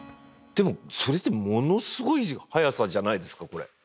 でもそれってものすごい速さじゃないですかこれ。